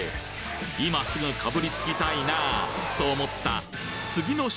今すぐかぶりつきたいなぁと思った